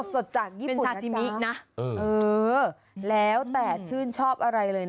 สดจากญี่ปุ่นนะจ๊ะ